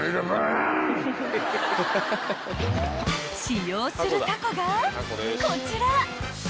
［使用するタコがこちら］